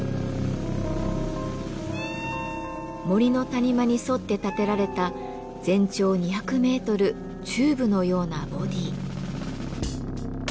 森の谷間に沿って建てられた全長２００ｍチューブのようなボディー。